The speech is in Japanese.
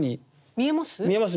見えます？